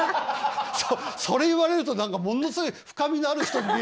それ言われると何かものすごい深みのある人に見える。